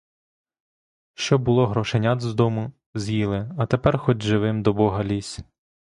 Що було грошенят з дому, з'їли, а тепер хоч живим до бога лізь.